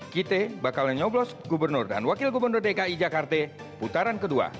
kita bakal nyoblos gubernur dan wakil gubernur dki jakarta putaran kedua